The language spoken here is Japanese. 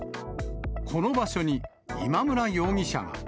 この場所に、今村容疑者が。